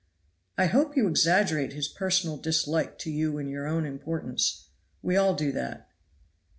"I hope you exaggerate his personal dislike to you and your own importance we all do that."